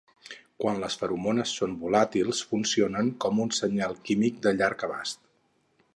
Quan les feromones són volàtils funcionen com un senyal químic de llarg abast.